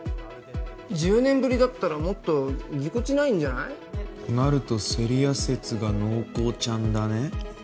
１０年ぶりだったらもっとぎこちないんじゃない？となると聖里矢説が濃厚ちゃんだね。